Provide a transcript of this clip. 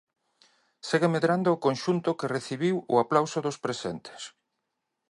Segue medrando o conxunto que recibiu o aplauso dos presentes.